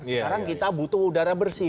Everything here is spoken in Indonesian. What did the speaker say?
sekarang kita butuh udara bersih